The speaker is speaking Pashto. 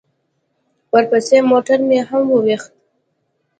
ورپسې موټر مې هم وويشت.